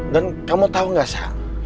dan kamu tau gak sa